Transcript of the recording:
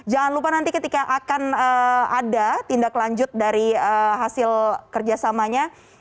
jangan lupa nanti ketika akan ada tindak lanjut dari hasil kerjasamanya